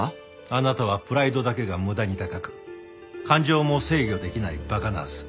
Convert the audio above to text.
あなたはプライドだけが無駄に高く感情も制御できない馬鹿ナース。